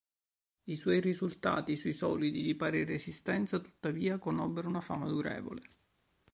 I suoi risultati sui solidi di pari resistenza tuttavia conobbero una fama durevole.